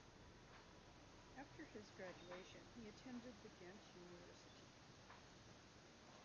After his graduation he attended the Ghent University.